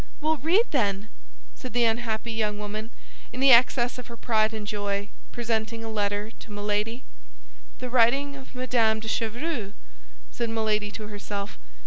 "Well, read, then!" said the unhappy young woman, in the excess of her pride and joy, presenting a letter to Milady. "The writing of Madame de Chevreuse!" said Milady to herself.